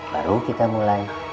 baru kita mulai